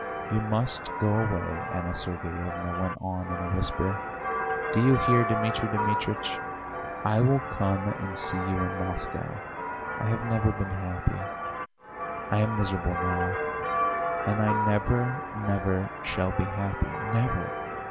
"You must go away," Anna Sergeyevna went on in a whisper. "Do you hear, Dmitri Dmitritch? I will come and see you in Moscow. I have never been happy; I am miserable now, and I never, never shall be happy, never!